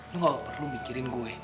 lo gak perlu mikirin gue